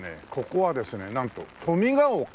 ここはですねなんと富賀岡。